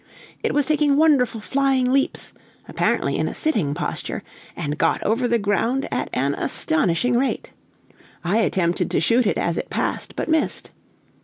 It was taking wonderful flying leaps, apparently in a sitting posture, and got over the ground at an astonishing rate. I attempted to shoot it as it passed, but missed.